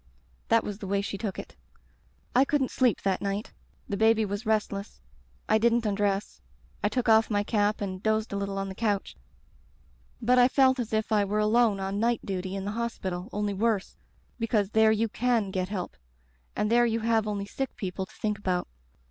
That was the way she took it. "I couldn't sleep that night. The baby was restless. I didn't undress. I took off my cap and dozed a little on the couch, but I felt as if I were alone on night duty in the hospital, only worse, because there you can get help, and there you have only sick people to think about.